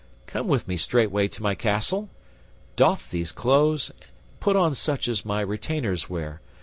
Come with me straightway to my castle. Doff these clothes and put on such as my retainers wear.